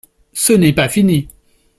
Ce n’est pas fini.